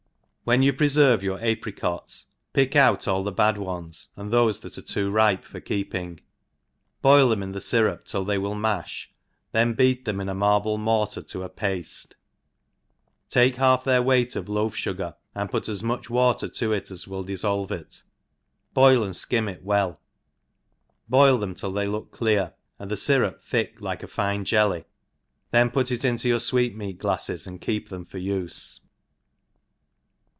WHEN you preicrve your apricots^ pick out all the bad opes, and cho£: that are too ripe for keepiag, boil them in the fyrup till they will maui, ihea beat them in a marble mortar to a pafte ; take half their weight of loaf fugar» and put as much water to it as will diflblve it, boil and flcia^ it well, boil them till they look clear^ and the fyrup thick like a fine jelly, then put it into your fweetmeat glafleSy and keep taenx for ufe.